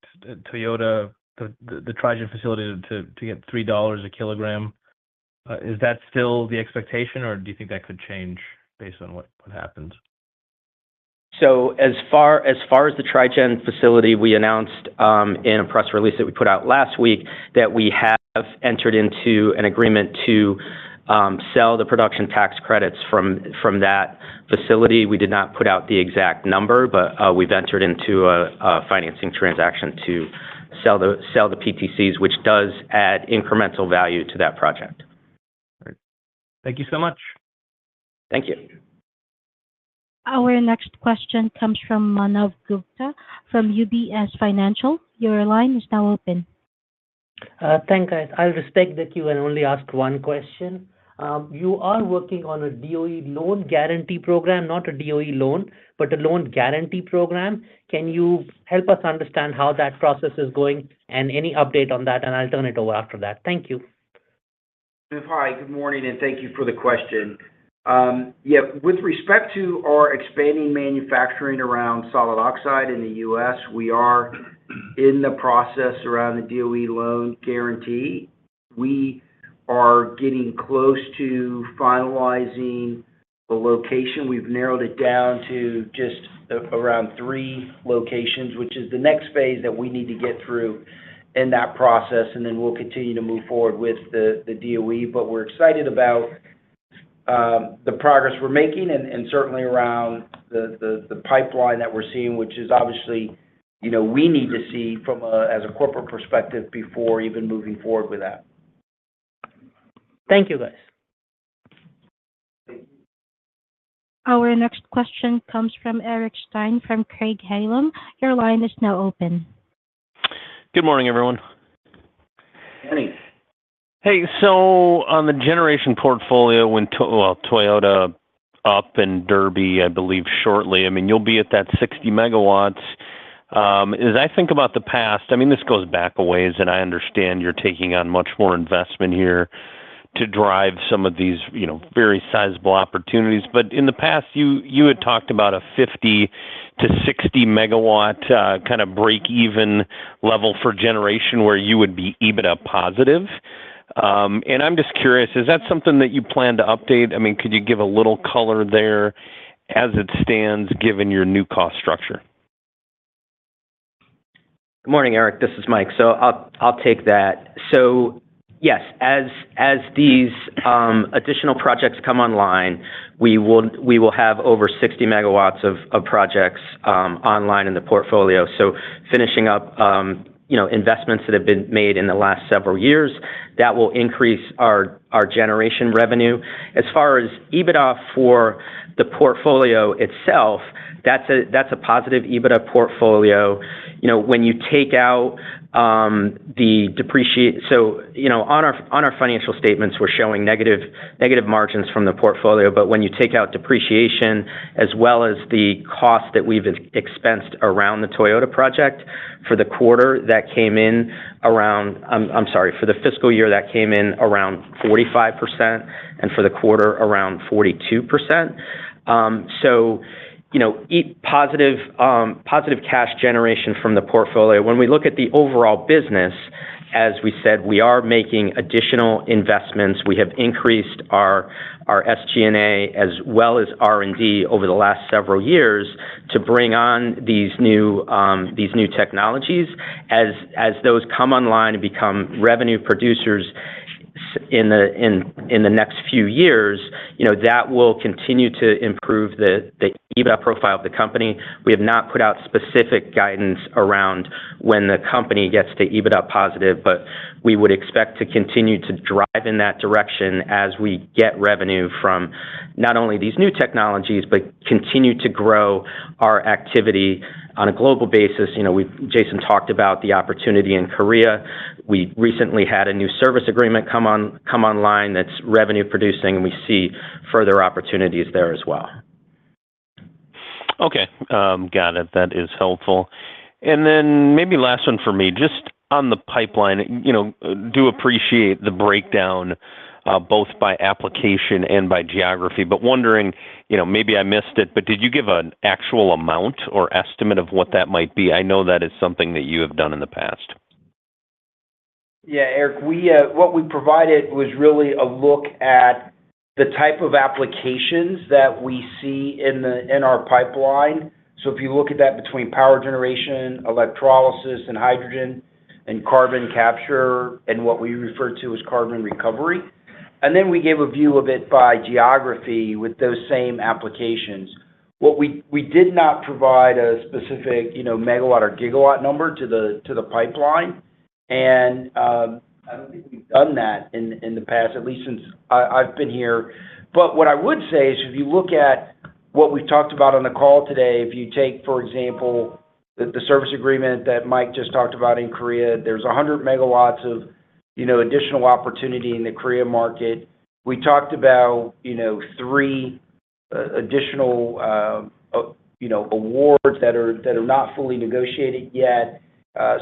Toyota, the Tri-gen facility to get $3 a kilogram. Is that still the expectation, or do you think that could change based on what happens? So as far as the Tri-gen facility, we announced in a press release that we put out last week, that we have entered into an agreement to sell the production tax credits from that facility. We did not put out the exact number, but we've entered into a financing transaction to sell the PTCs, which does add incremental value to that project. Great. Thank you so much. Thank you. Our next question comes from Manav Gupta from UBS Financial. Your line is now open. Thanks, guys. I'll respect the queue and only ask one question. You are working on a DOE loan guarantee program, not a DOE loan, but a loan guarantee program. Can you help us understand how that process is going and any update on that? And I'll turn it over after that. Thank you. Hi, good morning, and thank you for the question. Yeah, with respect to our expanding manufacturing around solid oxide in the U.S., we are in the process around the DOE loan guarantee. We are getting close to finalizing the location. We've narrowed it down to just around three locations, which is the next phase that we need to get through in that process, and then we'll continue to move forward with the DOE. But we're excited about the progress we're making and certainly around the pipeline that we're seeing, which is obviously, you know, we need to see from a corporate perspective before even moving forward with that. Thank you, guys. Our next question comes from Eric Stine, from Craig-Hallum. Your line is now open. Good morning, everyone. Morning. Hey, so on the generation portfolio when Toyota up in Derby, I believe shortly, I mean, you'll be at that 60 MW. As I think about the past, I mean, this goes back a ways, and I understand you're taking on much more investment here to drive some of these, you know, very sizable opportunities. But in the past, you had talked about a 50 to 60 MW kind of break-even level for generation where you would be EBITDA positive. And I'm just curious, is that something that you plan to update? I mean, could you give a little color there as it stands, given your new cost structure? Good morning, Eric. This is Mike, so I'll take that. So yes, as these additional projects come online, we will have over 60 MW of projects online in the portfolio. So finishing up, you know, investments that have been made in the last several years, that will increase our generation revenue. As far as EBITDA for the portfolio itself, that's a positive EBITDA portfolio. You know, when you take out the depreciation, so, you know, on our financial statements, we're showing negative margins from the portfolio. But when you take out depreciation, as well as the cost that we've expensed around the Toyota project for the quarter, that came in around... I'm sorry, for the fiscal year, that came in around 45%, and for the quarter, around 42%. So, you know, EBITDA positive, positive cash generation from the portfolio. When we look at the overall business, as we said, we are making additional investments. We have increased our SG&A as well as R&D over the last several years to bring on these new technologies. As those come online and become revenue producers in the next few years, you know, that will continue to improve the EBITDA profile of the company. We have not put out specific guidance around when the company gets to EBITDA positive, but we would expect to continue to drive in that direction as we get revenue from not only these new technologies, but continue to grow our activity on a global basis. You know, we've, Jason talked about the opportunity in Korea. We recently had a new service agreement come on, come online that's revenue producing, and we see further opportunities there as well. Okay, got it. That is helpful. And then maybe last one for me, just on the pipeline. You know, do appreciate the breakdown, both by application and by geography, but wondering, you know, maybe I missed it, but did you give an actual amount or estimate of what that might be? I know that is something that you have done in the past. Yeah, Eric, what we provided was really a look at the type of applications that we see in our pipeline. So if you look at that between power generation, electrolysis and hydrogen, and carbon capture, and what we refer to as carbon recovery, and then we gave a view of it by geography with those same applications. What we did not provide a specific, you know, megawatt or gigawatt number to the pipeline. I don't think we've done that in the past, at least since I've been here. But what I would say is, if you look at what we've talked about on the call today, if you take, for example, the service agreement that Mike just talked about in Korea, there's 100 MW of, you know, additional opportunity in the Korea market. We talked about, you know, three additional, you know, awards that are not fully negotiated yet.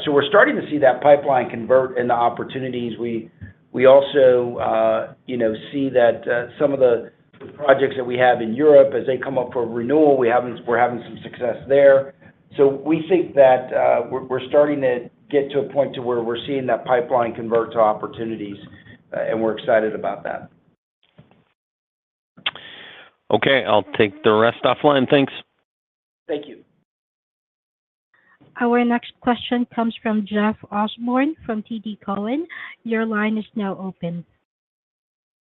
So we're starting to see that pipeline convert into opportunities. We also, you know, see that some of the projects that we have in Europe, as they come up for renewal, we're having some success there. So we think that we're starting to get to a point to where we're seeing that pipeline convert to opportunities, and we're excited about that. Okay. I'll take the rest offline. Thanks. Thank you. Our next question comes from Jeff Osborne, from TD Cowen. Your line is now open.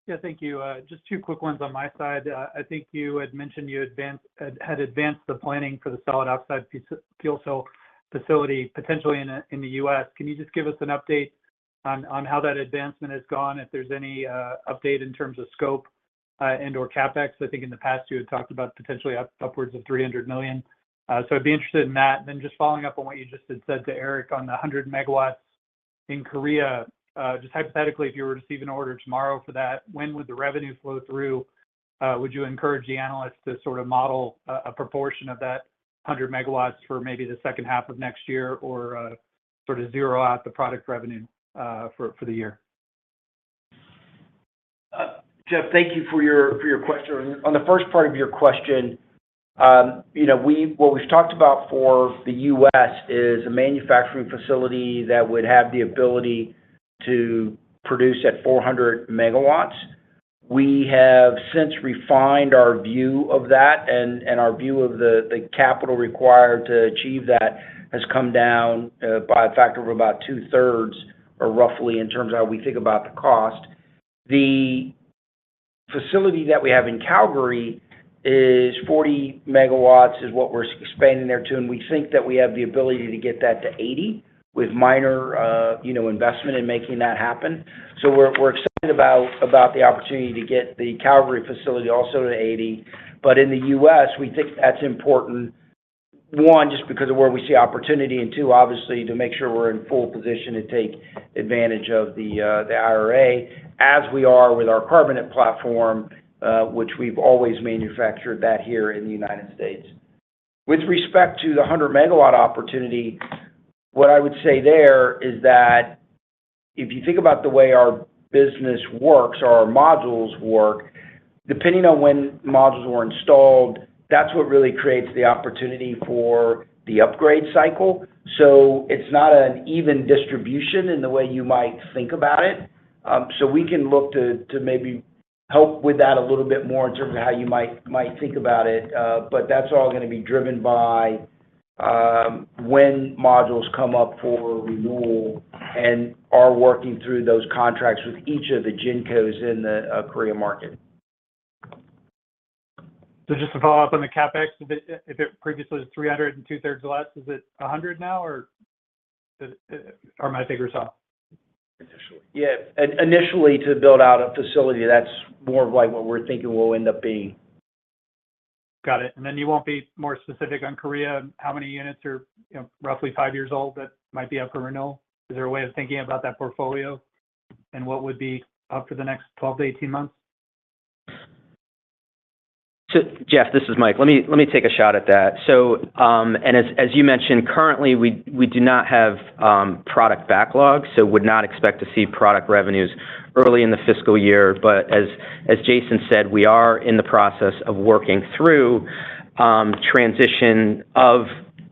Yeah, thank you. Just two quick ones on my side. I think you had mentioned you advanced—had advanced the planning for the solid oxide fuel cell facility, potentially in the U.S. Can you just give us an update on how that advancement has gone, if there's any update in terms of scope and/or CapEx? I think in the past, you had talked about potentially upwards of $300 million. So I'd be interested in that. Then just following up on what you just had said to Eric on the 100 MW in Korea, just hypothetically, if you were to receive an order tomorrow for that, when would the revenue flow through? Would you encourage the analysts to sort of model a proportion of that 100 MW for maybe the second half of next year or... sort of zero out the product revenue for the year. Jeff, thank you for your, for your question. On, on the first part of your question, you know, what we've talked about for the U.S. is a manufacturing facility that would have the ability to produce at 400 MW. We have since refined our view of that, and, and our view of the, the capital required to achieve that has come down by a factor of about two-thirds, or roughly, in terms of how we think about the cost. The facility that we have in Calgary is 40 MW, is what we're expanding there to, and we think that we have the ability to get that to 80, with minor, you know, investment in making that happen. So we're, we're excited about, about the opportunity to get the Calgary facility also to 80. But in the U.S., we think that's important, one, just because of where we see opportunity, and two, obviously, to make sure we're in full position to take advantage of the IRA, as we are with our carbonate platform, which we've always manufactured that here in the United States. With respect to the 100 MW opportunity, what I would say there is that if you think about the way our business works or our modules work, depending on when modules were installed, that's what really creates the opportunity for the upgrade cycle. So it's not an even distribution in the way you might think about it. So we can look to maybe help with that a little bit more in terms of how you might think about it, but that's all gonna be driven by when modules come up for renewal and are working through those contracts with each of the Gencos in the Korea market. So just to follow up on the CapEx, if it previously was 300 2/3 less, is it 100 now, or are my figures off? Yeah, initially, to build out a facility, that's more of like what we're thinking will end up being. Got it. And then you won't be more specific on Korea, how many units are, you know, roughly 5 years old that might be up for renewal? Is there a way of thinking about that portfolio and what would be up for the next 12 to 18 months? So Jeff, this is Mike. Let me, let me take a shot at that. So, and as, as you mentioned, currently, we, we do not have product backlog, so would not expect to see product revenues early in the fiscal year. But as, as Jason said, we are in the process of working through transition of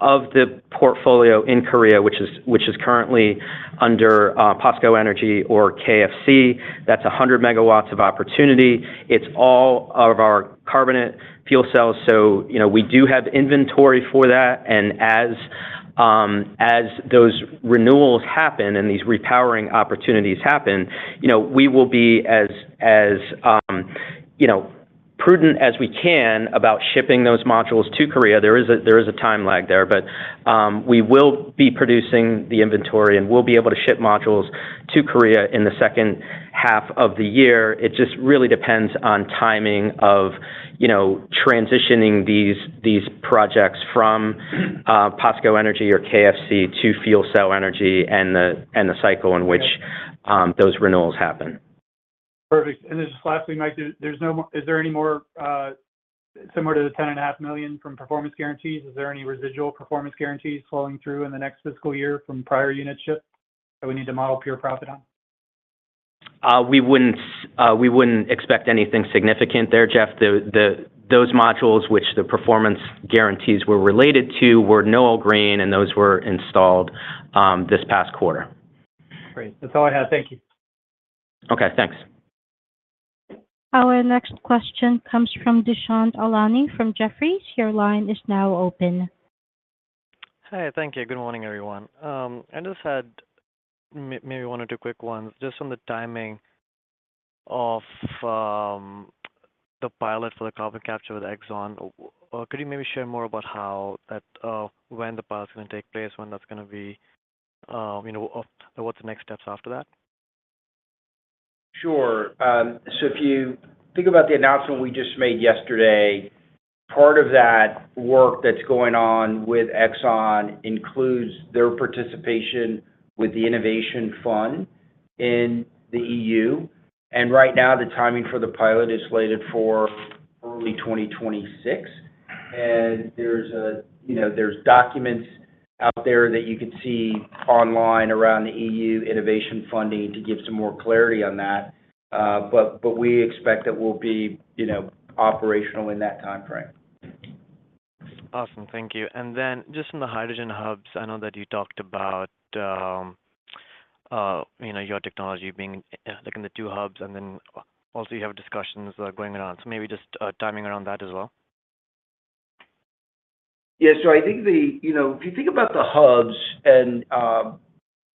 the portfolio in Korea, which is, which is currently under POSCO Energy or KFC. That's 100 MW of opportunity. It's all of our carbonate fuel cells, so, you know, we do have inventory for that. And as, as those renewals happen and these repowering opportunities happen, you know, we will be as, as, you know, prudent as we can about shipping those modules to Korea. There is a time lag there, but we will be producing the inventory, and we'll be able to ship modules to Korea in the second half of the year. It just really depends on timing of, you know, transitioning these projects from POSCO Energy or KFC to FuelCell Energy and the cycle in which those renewals happen. Perfect. And then just lastly, Mike, there, there's no more. Is there any more similar to the $10.5 million from performance guarantees? Is there any residual performance guarantees flowing through in the next fiscal year from prior units shipped, that we need to model pure profit on? We wouldn't expect anything significant there, Jeff. Those modules which the performance guarantees were related to were Noeul Green, and those were installed this past quarter. Great. That's all I have. Thank you. Okay, thanks. Our next question comes from Dushyant Ailani from Jefferies. Your line is now open. Hi, thank you. Good morning, everyone. I just had maybe one or two quick ones. Just on the timing of the pilot for the carbon capture with Exxon, could you maybe share more about how that, when the pilot's gonna take place, when that's gonna be, you know, of what's the next steps after that? Sure. So if you think about the announcement we just made yesterday, part of that work that's going on with Exxon includes their participation with the innovation fund in the EU. And right now, the timing for the pilot is slated for early 2026. And there's a, you know, there's documents out there that you can see online around the EU innovation funding to give some more clarity on that, but, but we expect that we'll be, you know, operational in that time frame. Awesome. Thank you. Then just on the hydrogen hubs, I know that you talked about, you know, your technology being, like, in the two hubs, and then also you have discussions going on. So maybe just timing around that as well. Yeah. So I think, you know, if you think about the hubs and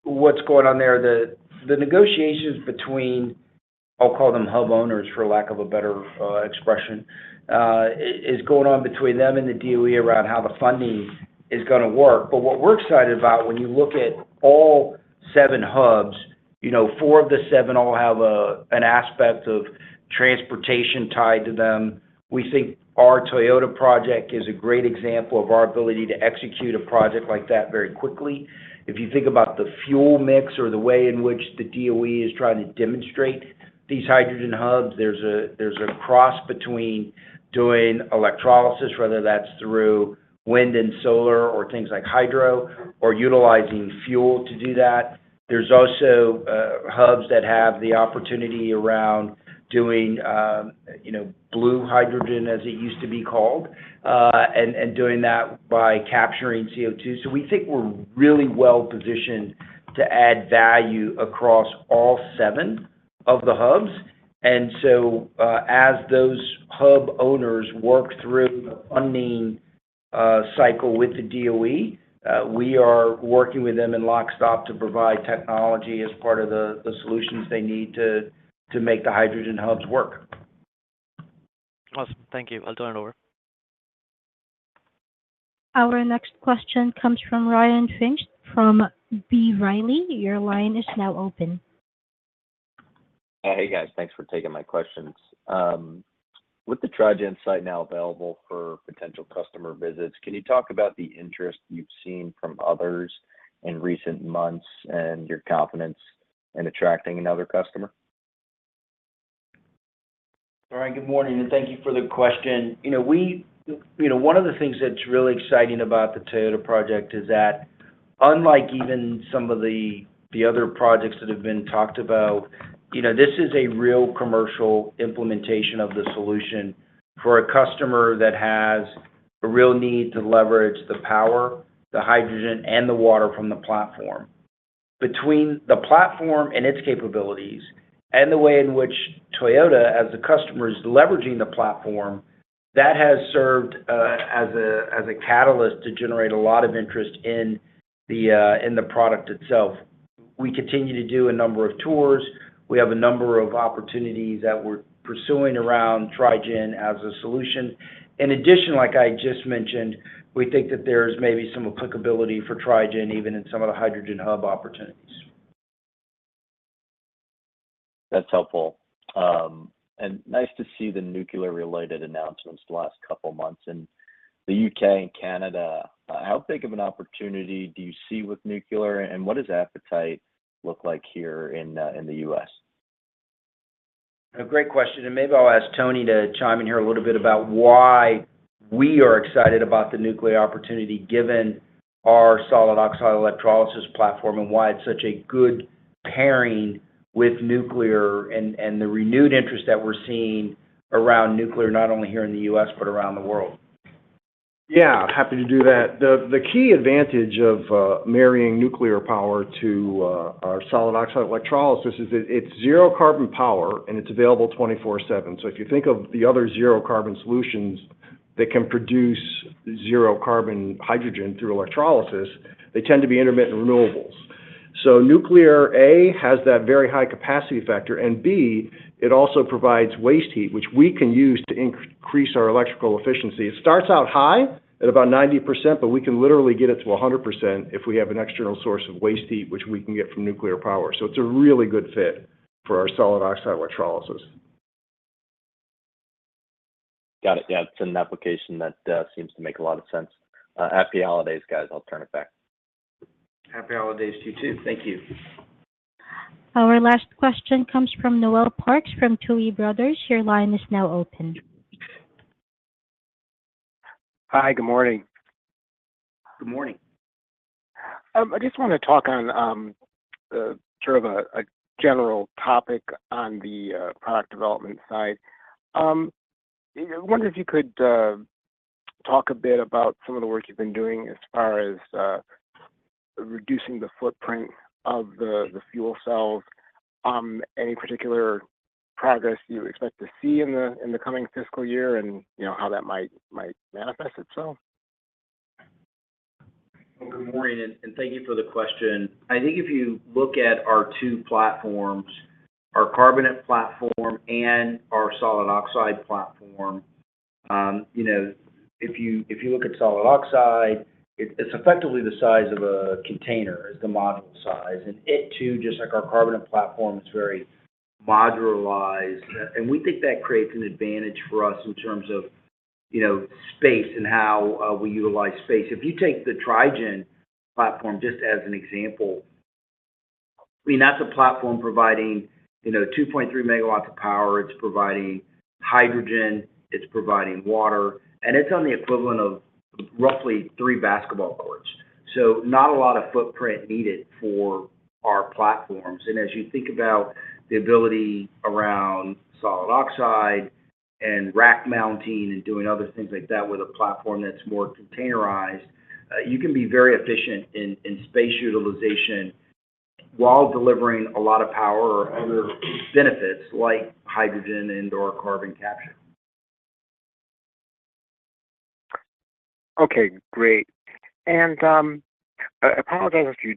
what's going on there, the negotiations between, I'll call them hub owners, for lack of a better expression, is going on between them and the DOE around how the funding is gonna work. But what we're excited about, when you look at all seven hubs, you know, four of the seven all have an aspect of transportation tied to them. We think our Toyota project is a great example of our ability to execute a project like that very quickly. If you think about the fuel mix or the way in which the DOE is trying to demonstrate these hydrogen hubs, there's a cross between doing electrolysis, whether that's through wind and solar, or things like hydro, or utilizing fuel to do that. There's also, hubs that have the opportunity around doing, you know, blue hydrogen, as it used to be called, and doing that by capturing CO2. So we think we're really well-positioned to add value across all seven of the hubs. And so, as those hub owners work through the funding cycle with the DOE, we are working with them in lockstep to provide technology as part of the solutions they need to make the hydrogen hubs work. Awesome. Thank you. I'll turn it over. Our next question comes from Ryan Pfingst from B. Riley. Your line is now open. Hey, guys. Thanks for taking my questions. With the Tri-gen site now available for potential customer visits, can you talk about the interest you've seen from others in recent months and your confidence in attracting another customer? Ryan, good morning, and thank you for the question. You know, we, you know, one of the things that's really exciting about the Toyota project is that unlike even some of the, the other projects that have been talked about, you know, this is a real commercial implementation of the solution for a customer that has a real need to leverage the power, the hydrogen, and the water from the platform. Between the platform and its capabilities, and the way in which Toyota, as the customer, is leveraging the platform, that has served as a catalyst to generate a lot of interest in the product itself. We continue to do a number of tours. We have a number of opportunities that we're pursuing around Tri-gen as a solution. In addition, like I just mentioned, we think that there's maybe some applicability for Tri-gen, even in some of the hydrogen hub opportunities. That's helpful. Nice to see the nuclear-related announcements the last couple of months in the U.K. and Canada. How big of an opportunity do you see with nuclear, and what does appetite look like here in the U.S.? A great question, and maybe I'll ask Tony to chime in here a little bit about why we are excited about the nuclear opportunity, given our solid oxide electrolysis platform, and why it's such a good pairing with nuclear and the renewed interest that we're seeing around nuclear, not only here in the U.S., but around the world. Yeah, happy to do that. The key advantage of marrying nuclear power to our solid oxide electrolysis is that it's zero carbon power, and it's available 24/7. So if you think of the other zero carbon solutions that can produce zero carbon hydrogen through electrolysis, they tend to be intermittent renewables. So nuclear, A, has that very high capacity factor, and B, it also provides waste heat, which we can use to increase our electrical efficiency. It starts out high at about 90%, but we can literally get it to 100% if we have an external source of waste heat, which we can get from nuclear power. So it's a really good fit for our solid oxide electrolysis. Got it. Yeah, it's an application that seems to make a lot of sense. Happy holidays, guys. I'll turn it back. Happy holidays to you, too. Thank you. Our last question comes from Noel Parks from Tuohy Brothers. Your line is now open. Hi, good morning. Good morning. I just want to talk on, sort of a general topic on the product development side. I wonder if you could talk a bit about some of the work you've been doing as far as reducing the footprint of the fuel cells. Any particular progress you expect to see in the coming fiscal year, and, you know, how that might manifest itself? Good morning, and thank you for the question. I think if you look at our two platforms, our carbonate platform and our solid oxide platform, you know, if you look at solid oxide, it's effectively the size of a container, is the module size. And it, too, just like our carbonate platform, is very modularized. And we think that creates an advantage for us in terms of, you know, space and how we utilize space. If you take the Tri-gen platform, just as an example, I mean, that's a platform providing, you know, 2.3 MW of power. It's providing hydrogen, it's providing water, and it's on the equivalent of roughly three basketball courts, so not a lot of footprint needed for our platforms. As you think about the ability around solid oxide and rack mounting and doing other things like that with a platform that's more containerized, you can be very efficient in space utilization while delivering a lot of power or other benefits, like hydrogen and/or carbon capture. Okay, great. I apologize if you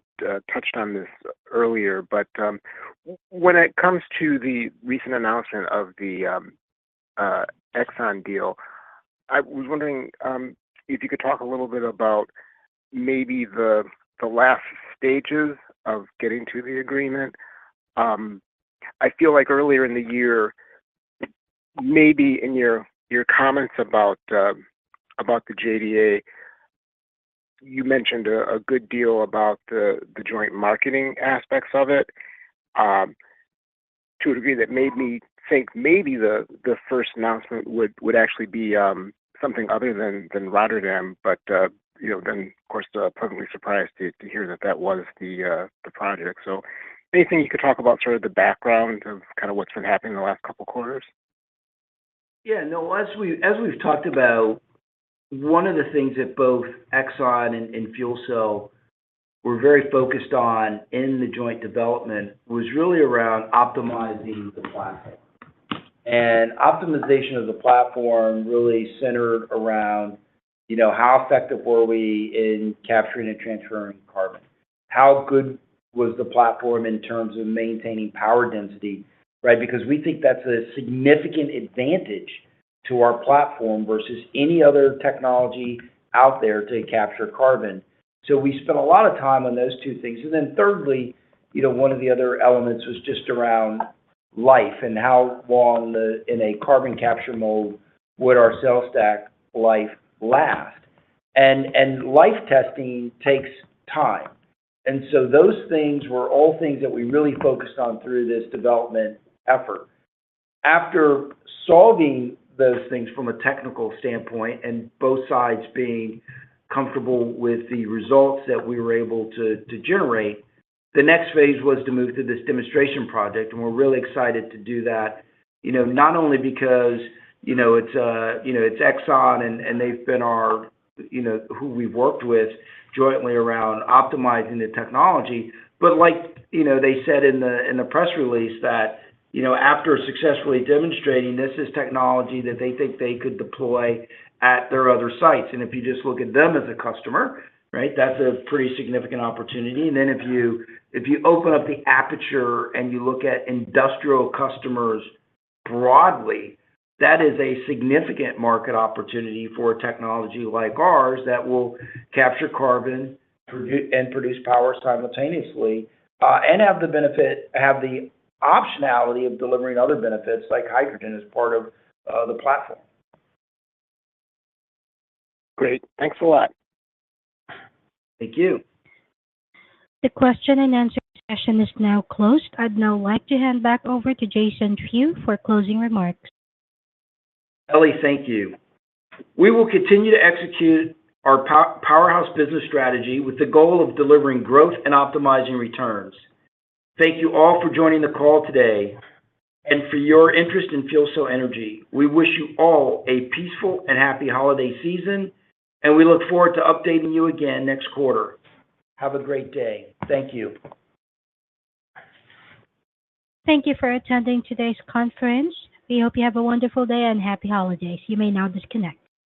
touched on this earlier, but when it comes to the recent announcement of the Exxon deal, I was wondering if you could talk a little bit about maybe the last stages of getting to the agreement. I feel like earlier in the year, maybe in your comments about the JDA, you mentioned a good deal about the joint marketing aspects of it. To a degree that made me think maybe the first announcement would actually be something other than Rotterdam. But you know, then of course, pleasantly surprised to hear that that was the project. So anything you could talk about sort of the background of kind of what's been happening in the last couple quarters? Yeah, no, as we, as we've talked about, one of the things that both Exxon and, and FuelCell were very focused on in the joint development was really around optimizing the platform. And optimization of the platform really centered around, you know, how effective were we in capturing and transferring carbon? How good was the platform in terms of maintaining power density, right? Because we think that's a significant advantage to our platform versus any other technology out there to capture carbon. So we spent a lot of time on those two things. And then thirdly, you know, one of the other elements was just around life and how long the, in a carbon capture mode would our cell stack life last? And, and life testing takes time. And so those things were all things that we really focused on through this development effort. After solving those things from a technical standpoint, and both sides being comfortable with the results that we were able to generate, the next phase was to move to this demonstration project, and we're really excited to do that. You know, not only because, you know, it's, you know, it's Exxon and they've been our, you know, who we've worked with jointly around optimizing the technology. But like, you know, they said in the press release that, you know, after successfully demonstrating, this is technology that they think they could deploy at their other sites. And if you just look at them as a customer, right? That's a pretty significant opportunity. And then if you open up the aperture and you look at industrial customers broadly, that is a significant market opportunity for a technology like ours that will capture carbon and produce power simultaneously, and have the optionality of delivering other benefits, like hydrogen, as part of the platform. Great. Thanks a lot. Thank you. The question and answer session is now closed. I'd now like to hand back over to Jason Few for closing remarks. Ellie, thank you. We will continue to execute our powerhouse business strategy with the goal of delivering growth and optimizing returns. Thank you all for joining the call today and for your interest in FuelCell Energy. We wish you all a peaceful and happy holiday season, and we look forward to updating you again next quarter. Have a great day. Thank you. Thank you for attending today's conference. We hope you have a wonderful day and happy holidays. You may now disconnect.